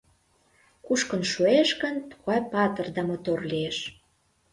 Кушкын шуэш гын, тугай патыр да мотор лиеш!..